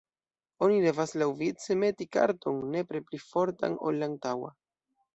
Oni devas laŭvice meti karton, nepre pli fortan, ol la antaŭa.